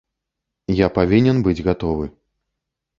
Я павінен быць гатовы.